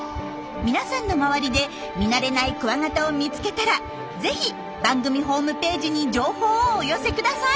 皆さんの周りで見慣れないクワガタを見つけたらぜひ番組ホームページに情報をお寄せください！